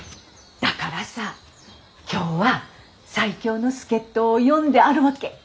だからさ今日は最強の助っ人を呼んであるわけ。